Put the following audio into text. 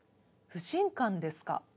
不信感ですか？